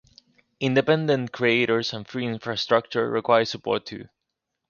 Independent creators and free infrastructure require support, too.